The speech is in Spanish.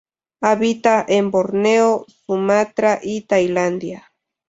Habita en Borneo, Sumatra y Tailandia.